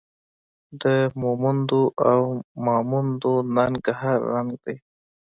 د مومندو او ماموندو ننګ هر رنګ دی